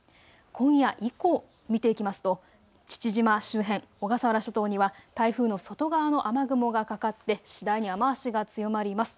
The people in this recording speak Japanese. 今夜以降、見ていきますと父島周辺、小笠原諸島には台風の外側の雨雲がかかって次第に雨足が強まります。